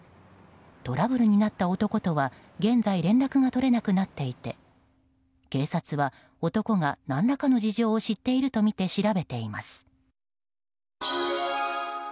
トラブルになった男とは現在、連絡が取れなくなっていて警察は男が、何らかの事情を知っているとみて調べています。